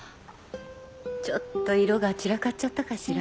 ちょっと色が散らかっちゃったかしら？